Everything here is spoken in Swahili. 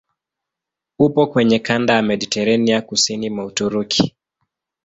Upo kwenye kanda ya Mediteranea kusini mwa Uturuki.